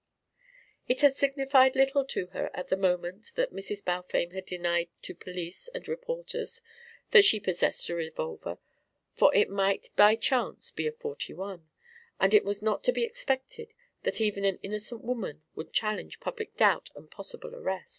It had signified little to her at the moment that Mrs. Balfame had denied to police and reporters that she possessed a revolver, for it might by chance be a .41, and it was not to be expected that even an innocent woman would challenge public doubt and possible arrest.